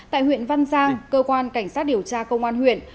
tại huyện văn giang cơ quan cảnh sát điều tra công an huyện